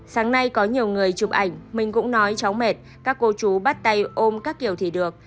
sáng nay có nhiều người chụp ảnh mình cũng nói chóng mệt các cô chú bắt tay ôm các kiểu thì được